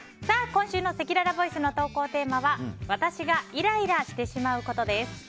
今週のせきららボイスの投稿テーマは私がイライラしてしまうことです。